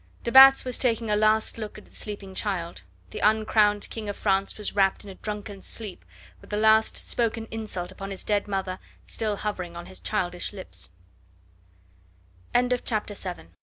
De Batz was taking a last look at the sleeping child; the uncrowned King of France was wrapped in a drunken sleep, with the last spoken insult upon his dead mother still hovering on his childish